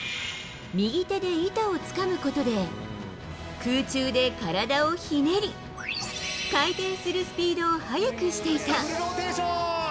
右手で板をつかむことで、空中で体をひねり、回転するスピードを速くしていた。